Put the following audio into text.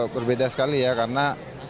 berbeda sekali ya karena